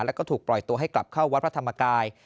แล้วก็ถูกปล่อยตัวให้กลับเข้าวัดพระธรรมกาย